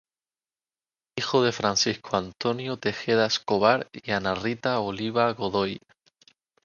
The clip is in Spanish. Hijo de Francisco Antonio Tejeda Escobar y Ana Rita Oliva Godoy.